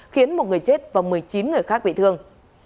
khiến một người chết và một mươi chín người khác bị thương